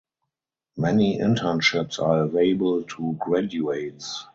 Many internships are available to graduates.